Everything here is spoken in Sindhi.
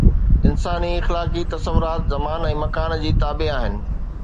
انساني اخلاقي تصورات زمان ۽ مڪان جي تابع آهن.